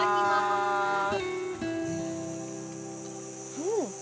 うん！